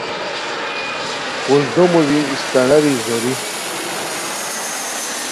قوژدو موژی ا ستاناری زوری